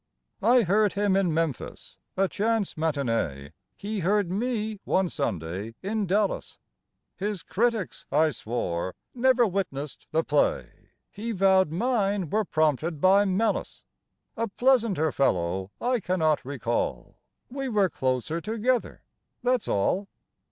I heard him in Memphis (a chance matinée); He heard me (one Sunday) in Dallas. His critics, I swore, never witnessed the play; He vowed mine were prompted by malice. A pleasanter fellow I cannot recall. We were closer together; that's all.